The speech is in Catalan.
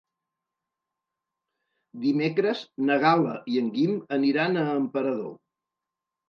Dimecres na Gal·la i en Guim aniran a Emperador.